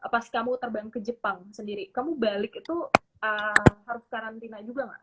pas kamu terbang ke jepang sendiri kamu balik itu harus karantina juga nggak